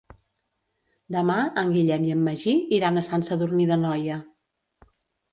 Demà en Guillem i en Magí iran a Sant Sadurní d'Anoia.